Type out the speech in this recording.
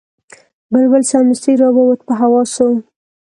بلبل سمدستي را ووت په هوا سو